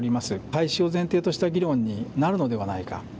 廃止を前提とした議論になるのではないか。